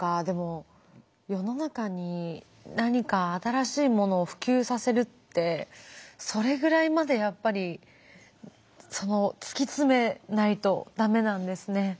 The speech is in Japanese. でも世の中に何か新しいものを普及させるってそれぐらいまでやっぱり突き詰めないと駄目なんですね。